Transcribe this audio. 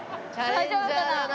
大丈夫かな？